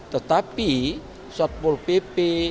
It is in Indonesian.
tetapi satpo pp